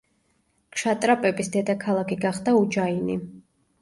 ქშატრაპების დედაქალაქი გახდა უჯაინი.